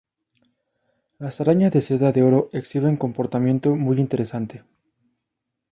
Las arañas de seda de oro exhiben comportamiento muy interesante.